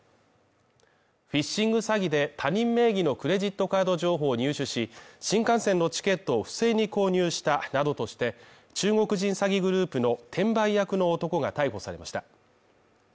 フィッシング詐欺で、他人名義のクレジットカード情報を入手し新幹線のチケットを不正に購入したなどとして、中国人詐欺グループの転売役の男が逮捕されました。